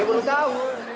yang belum tahu